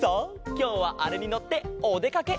きょうはあれにのっておでかけ。